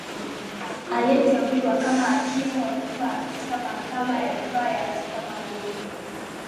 Aliteuliwa kama Hakimu wa Rufaa katika Mahakama ya Rufaa ya Afrika Magharibi